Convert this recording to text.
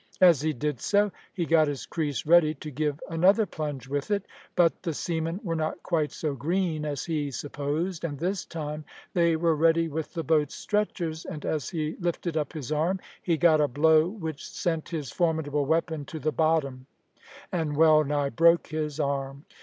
As he did so, he got his creese ready to give another plunge with it; but the seamen were not quite so green as he supposed, and this time they were ready with the boat's stretchers, and, as he lifted up his arm, he got a blow which sent his formidable weapon to the bottom, and wellnigh broke his arm.